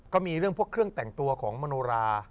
ก็มีเรื่องพวกเครื่องแต่งตัวของมโนรา